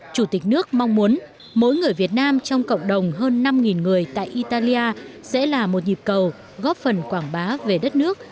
chủ tịch nước mong muốn mỗi người việt nam trong cộng đồng hơn năm người tại italia sẽ là một nhịp cầu góp phần quảng bá về đất nước